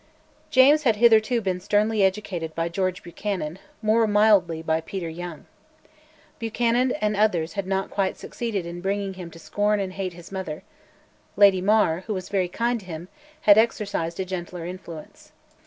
James had hitherto been sternly educated by George Buchanan, more mildly by Peter Young. Buchanan and others had not quite succeeded in bringing him to scorn and hate his mother; Lady Mar, who was very kind to him, had exercised a gentler influence.